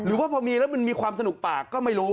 หรือว่าพอมีแล้วมันมีความสนุกปากก็ไม่รู้